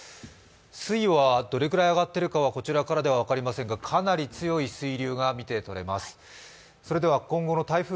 水位はどれぐらい上がっているかはこちらからは分かりませんがかなり強い水流が見てとれます。